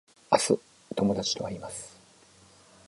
明日友達と会います